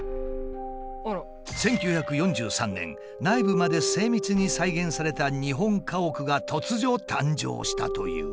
１９４３年内部まで精密に再現された日本家屋が突如誕生したという。